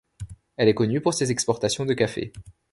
Elle est connue pour ses exportations de café.